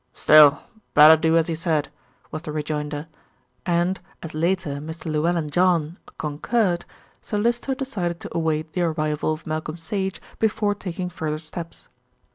"Still, better do as he said," was the rejoinder and, as later Mr. Llewellyn John concurred, Sir Lyster decided to await the arrival of Malcolm Sage before taking further steps.